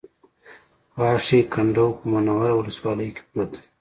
غاښی کنډو په منوره ولسوالۍ کې پروت دی